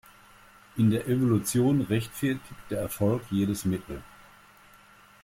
In der Evolution rechtfertigt der Erfolg jedes Mittel.